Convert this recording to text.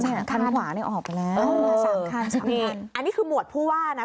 คันขวาเนี่ยออกไปแล้วเออสามคันสามคันอันนี้คือหมวดผู้ว่านะ